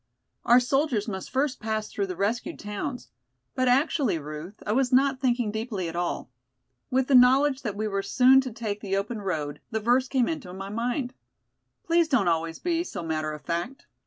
"Our soldiers must first pass through the rescued towns. But actually, Ruth, I was not thinking deeply at all. With the knowledge that we were soon to take the open road, the verse came into my mind. Please don't always be so matter of fact."